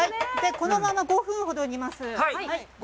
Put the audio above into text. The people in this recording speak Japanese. このまま５分ほど煮ます。